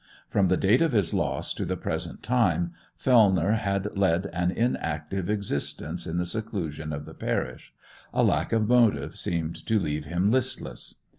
From the date of his loss to the present time, Fellmer had led an inactive existence in the seclusion of the parish; a lack of motive seemed to leave him listless.